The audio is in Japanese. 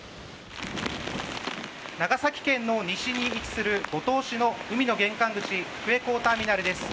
長崎県の西に位置する五島市の海の玄関口福江港ターミナルです。